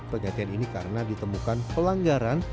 penggantian ini karena ditemukan pelanggaran